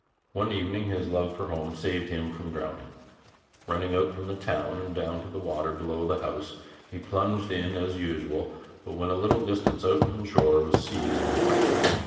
One evening his love for home saved him from drowning. Running out from town and down to the water below the house, he plunged in as usual, but, when a little distance out from shore, was seized with cramp.